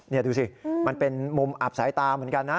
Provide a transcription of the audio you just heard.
นี่ดูสิมันเป็นมุมอับสายตาเหมือนกันนะ